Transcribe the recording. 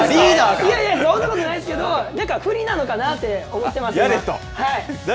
いやいや、そんなことないですけど、なんか振りなのかなって思ってます。